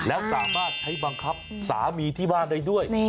แล้วสามารถใช้บังคับสามีที่บ้านได้ด้วย